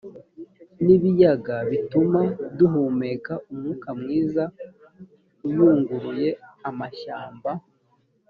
n ibiyaga bituma duhumeka umwuka mwiza uyunguruye amashyamba